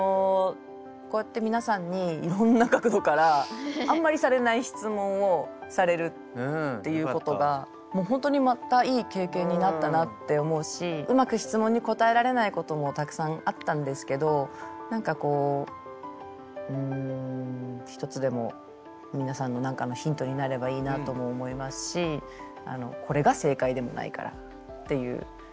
こうやって皆さんにいろんな角度からあんまりされない質問をされるっていうことがもう本当にまたいい経験になったなって思うしうまく質問に答えられないこともたくさんあったんですけど何かこう一つでも皆さんの何かのヒントになればいいなとも思いますしこれが正解でもないからっていう。